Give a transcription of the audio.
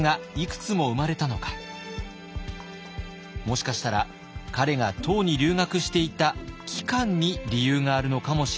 もしかしたら彼が唐に留学していた期間に理由があるのかもしれません。